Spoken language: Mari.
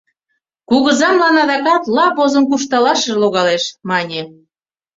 «Кугызамлан адакат лап возын куржталашыже логалеш», — мане.